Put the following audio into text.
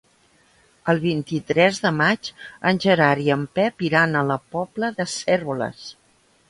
El vint-i-tres de maig en Gerard i en Pep iran a la Pobla de Cérvoles.